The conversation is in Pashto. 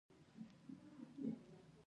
پکورې له کورني چای سره خاص خوند لري